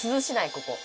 ここ。